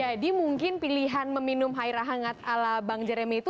jadi mungkin pilihan meminum air hangat ala bang jeremy itu